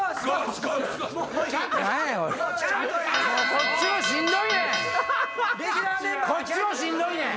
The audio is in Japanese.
こっちもしんどいねん！